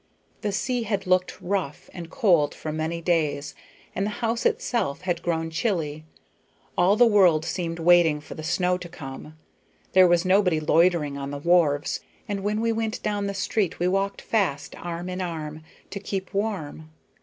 The sea had looked rough and cold for many days, and the old house itself had grown chilly, all the world seemed waiting for the snow to come. There was nobody loitering on the wharves, and when we went down the street we walked fast, arm in arm, to keep warm.